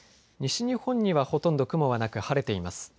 西日本にはほとんど雲はなく晴れています。